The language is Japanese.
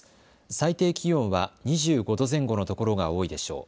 最低気温は２５度前後の所が多いでしょう。